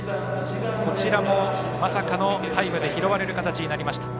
こちらもまさかのタイムで拾われる形になりました。